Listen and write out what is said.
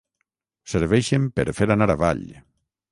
Serveixen per fer anar avall.